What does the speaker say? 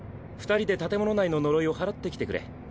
二人で建物内の呪いを祓ってきてくれ。